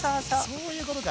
そういうことか。